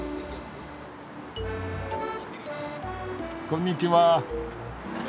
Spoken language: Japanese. こんにちは。